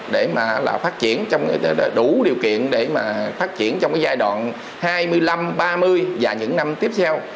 để mà phát triển trong đủ điều kiện để mà phát triển trong cái giai đoạn hai mươi năm ba mươi và những năm tiếp theo